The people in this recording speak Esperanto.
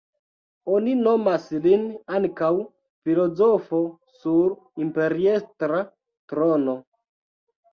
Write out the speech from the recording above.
Oni nomas lin ankaŭ "filozofo sur imperiestra trono".